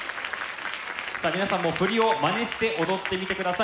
さあ皆さんも振りをまねして踊ってみてください。